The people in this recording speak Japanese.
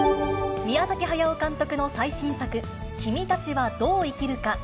宮崎駿監督の最新作、君たちはどう生きるか。